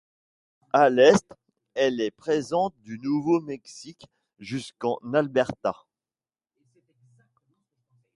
À l’est, elle est présente du Nouveau-Mexique jusqu’en Alberta.